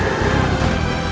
mereka mencari mati